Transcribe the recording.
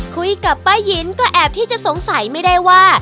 คุยกับป้ายินก็แอบที่จะสงสัยไม่ได้ว่า